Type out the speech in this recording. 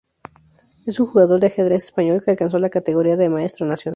Es un jugador de ajedrez español que alcanzó la categoría de maestro nacional.